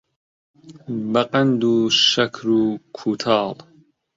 بەقەند و شەکر و کووتاڵ